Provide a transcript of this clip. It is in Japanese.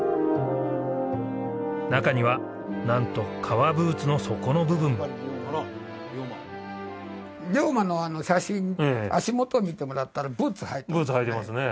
中にはなんと革ブーツの底の部分も龍馬の写真足元見てもらったらブーツ履いてるんですね